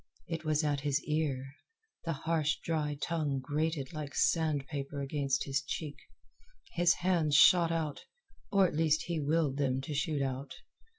It was at his ear. The harsh dry tongue grated like sandpaper against his cheek. His hands shot out or at least he willed them to shoot out.